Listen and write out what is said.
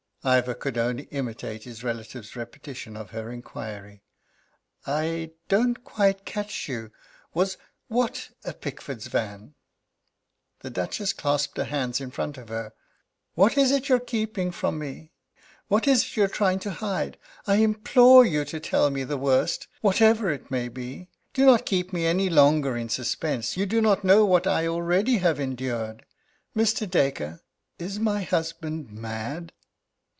Ivor could only imitate his relative's repetition of her inquiry: "I don't quite catch you was what a Pickford's van?" The Duchess clasped her hands in front of her: "What is it you are keeping from me? What is it you are trying to hide? I implore you to tell me the worst, whatever it may be! Do not keep me any longer in suspense; you do not know what I already have endured. Mr. Dacre, is my husband mad?"